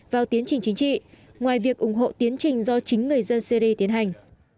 vào tiến trình chính trị ngoài việc ủng hộ tiến trình do chính người dân syri tiến hành